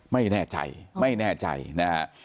ไม่แน่ใจไม่แน่ใจนะฮะ